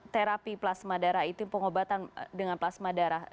terapi plasma darah itu pengobatan dengan plasma darah